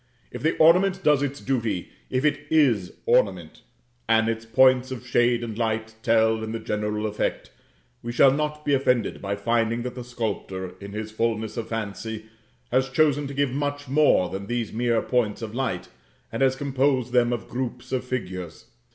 If the ornament does its duty if it is ornament, and its points of shade and light tell in the general effect, we shall not be offended by finding that the sculptor in his fulness of fancy has chosen to give much more than these mere points of light, and has composed them of groups of figures.